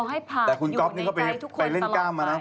ขอให้ผาอยู่ในใจทุกคนตลอดไปแต่คุณก๊อฟนี้เข้าไปเล่นกล้ามมานะ